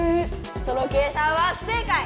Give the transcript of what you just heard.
その計算は不正解！